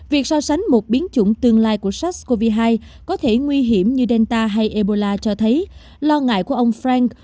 việc so sánh một biến chủng tương lai của sars cov hai có thể nguy hiểm như delta hay ebola cho thấy lo ngại của ông frank